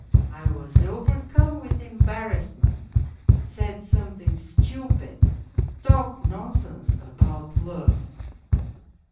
I was overcome with embarrassment, said something stupid, talked nonsense, about love.